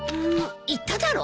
言っただろ